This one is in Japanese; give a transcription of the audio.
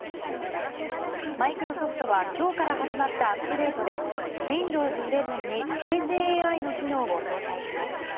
マイクロソフトは今日から始まったアップデートでＷｉｎｄｏｗｓ１１に生成ＡＩの機能を搭載します。